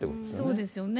そうですよね。